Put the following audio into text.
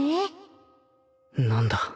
何だ？